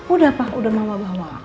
udah pak udah mau bawa